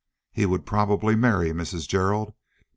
He would probably marry Mrs. Gerald.